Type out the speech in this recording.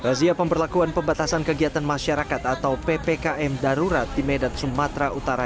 razia pemberlakuan pembatasan kegiatan masyarakat atau ppkm darurat di medan sumatera utara